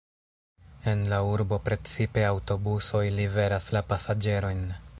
En la urbo precipe aŭtobusoj liveras la pasaĝerojn.